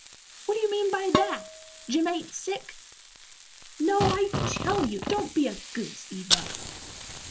"What do you mean by that? Jim ain't sick?" "No, I tell you; don't be a goose, Eva."